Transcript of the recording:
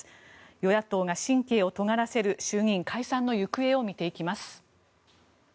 与野党が神経をとがらせる衆議院解散の行方を見ていきます。